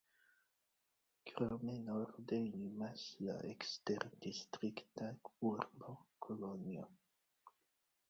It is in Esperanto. Krome norde limas la eksterdistrikta urbo Kolonjo.